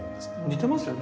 似てますよね？